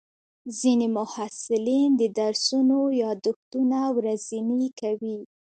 ځینې محصلین د درسونو یادښتونه ورځني کوي.